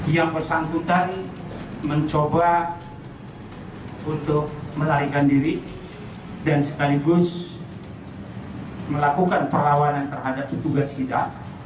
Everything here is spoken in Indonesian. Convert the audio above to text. yang bersangkutan mencoba untuk melarikan diri dan sekaligus melakukan perlawanan terhadap petugas kita